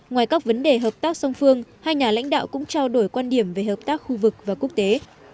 ngoài các vấn đề hợp tác song phương hai nhà lãnh đạo cũng trao đổi quan điểm về hợp tác khu vực và quốc tế